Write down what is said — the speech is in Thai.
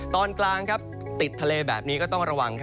ตอนกลางครับติดทะเลแบบนี้ก็ต้องระวังครับ